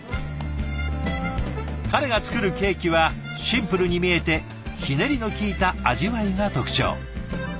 彼が作るケーキはシンプルに見えてひねりのきいた味わいが特徴。